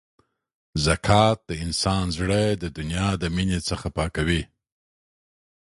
زکات د انسان زړه د دنیا د مینې څخه پاکوي.